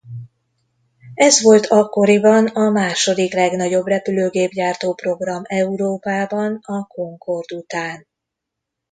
Ez volt akkoriban a második legnagyobb repülőgépgyártó program Európában a Concorde után.